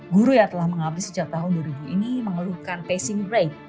guru yang telah menghabis sejak tahun dua ribu ini mengeluhkan testing rate